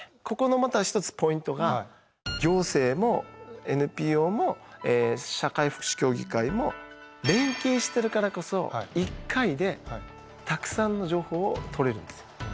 ここのまた一つポイントが行政もＮＰＯも社会福祉協議会も連携してるからこそ１回でたくさんの情報を取れるんです。